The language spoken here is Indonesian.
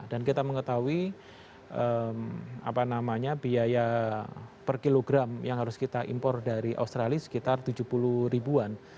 dan kita mengetahui biaya per kilogram yang harus kita impor dari australia sekitar tujuh puluh ribuan